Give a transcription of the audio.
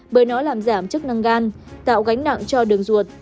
bởi nó làm giảm chức năng gan tạo gánh nặng cho đường ruột